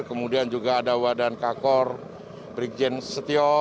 kemudian juga ada wadan kakor brigjen setio